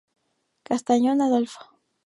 Castañón, Adolfo.